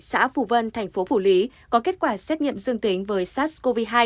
xã phủ vân thành phố phủ lý có kết quả xét nghiệm dương tính với sars cov hai